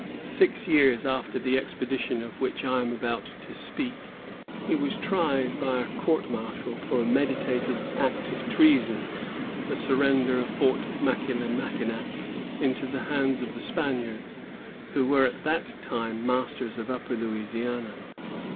Six years after the expedition of which I am about to speak, he was tried by a court martial for a meditated act of treason, the surrender of Fort Michillimackinac into the hands of the Spaniards, who were at that time masters of Upper Louisiana.